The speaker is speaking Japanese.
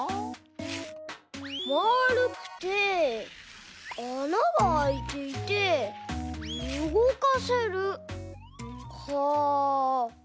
まるくてあながあいていてうごかせるか。